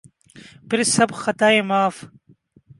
پھر سب خطائیں معاف۔